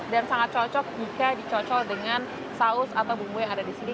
dan sangat cocok jika dicocol dengan saus atau bumbu yang ada di sini